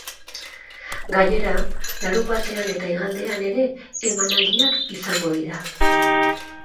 Gainera, larunbatean eta igandean ere emanaldiak izango dira.